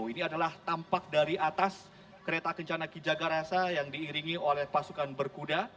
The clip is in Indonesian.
ini adalah tampak dari atas kereta kencana ki jagarasa yang diiringi oleh pasukan berkuda